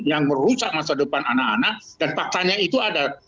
yang merusak masa depan anak anak dan faktanya itu ada